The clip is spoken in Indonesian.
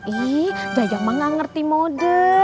ih jajang mah nggak ngerti mode